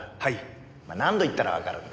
お前何度言ったらわかるんだ。